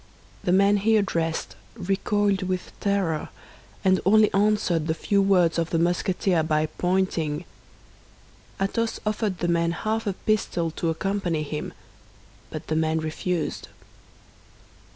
The man he addressed recoiled with terror, and only answered the few words of the Musketeer by pointing. Athos offered the man half a pistole to accompany him, but the man refused.